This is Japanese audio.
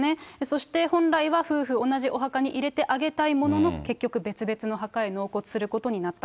そして、本来は夫婦同じお墓に入れてあげたいものの、結局別々の墓へ納骨することになった。